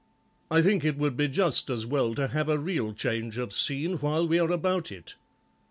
I think it would be just as well to have a real change of scene while we are about it."